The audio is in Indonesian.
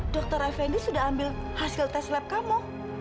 dokter fnd sudah ambil hasil tes lab kamu